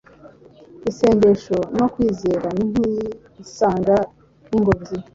Isengesho no kwizera ni nk’isanga n’ingoyi,